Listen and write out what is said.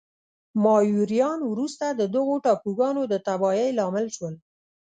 مایوریان وروسته د دغو ټاپوګانو د تباهۍ لامل شول.